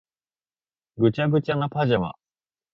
ぐちゃぐちゃなパジャマ